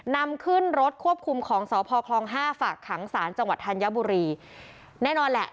นำขึ้นรถควบคุมของสพคลองห้าฝากขังศาลจังหวัดธัญบุรีแน่นอนแหละ